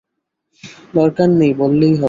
দরকার নেই, বললেই হলো!